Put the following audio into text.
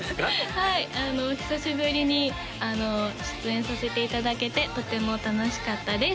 はい久しぶりに出演させていただけてとても楽しかったです